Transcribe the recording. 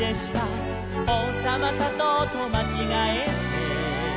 「おうさまさとうとまちがえて」